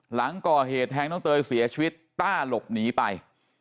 หลังก่อเหตุแทงน้องเตยเสียชีวิตต้าหลบหนีไป